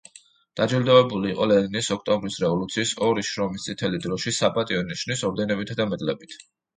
დაჯილდოვებული იყო ლენინის, ოქტომბრის რევოლუციის, ორი შრომის წითელი დროშის, „საპატიო ნიშნის“ ორდენებითა და მედლებით.